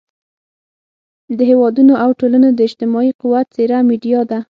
د هېوادونو او ټولنو د اجتماعي قوت څېره میډیا ده.